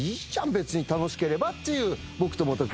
別に楽しければっていう僕と本木。